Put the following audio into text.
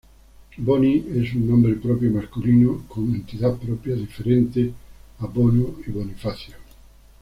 Boni es un nombre propio masculino con entidad propia, diferente a Bono y Bonifacio.